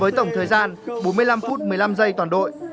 với tổng thời gian bốn mươi năm phút một mươi năm giây toàn đội